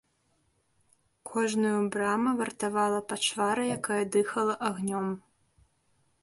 Кожную брама вартавала пачвара, якая дыхала агнём.